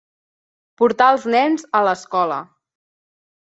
Portar els nens a l'escola.